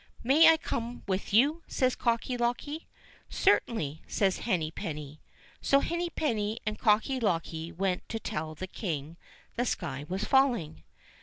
"May I come with you?" says Cocky locky. "Certainly," says Henny penny. So Henny penny and Cocky locky went to tell the King the sky was falling.